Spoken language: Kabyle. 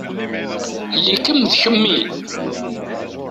Ili-kem d kemmi.